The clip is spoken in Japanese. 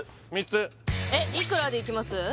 えいくらでいきます？